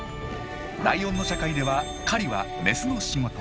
ライオンの社会では狩りはメスの仕事。